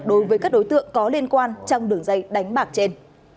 đối với các đối tượng có liên quan trong đường dây đánh bạc trên